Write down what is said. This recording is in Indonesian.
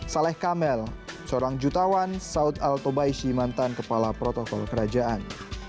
saleh kamel seorang jutawan saud al tobaishi mantan kepala protokol kerajaan